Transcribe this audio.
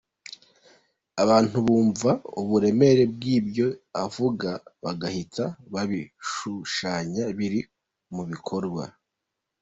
Abantu bumva uburemere bw’ibyo uvuga bagahita babishushanya biri mu bikorwa.